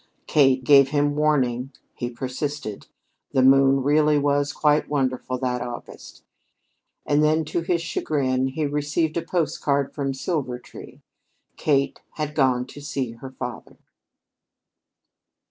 Kate gave him warning; he persisted, the moon really was quite wonderful that August, and then, to his chagrin, he received a postcard from Silvertree. Kate had gone to see her father.